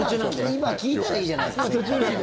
今、聞いたらいいじゃないですか。